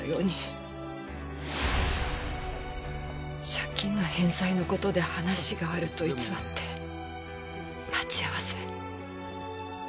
借金の返済の事で話があると偽って待ち合わせ。